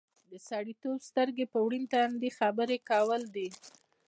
د سړیتوب سترګې په ورین تندي خبرې کول دي.